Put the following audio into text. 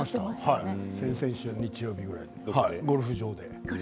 先々週日曜日ぐらいにゴルフ場で。